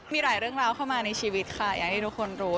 มีหลายเรื่องราวเข้ามาในชีวิตค่ะอย่างที่ทุกคนรู้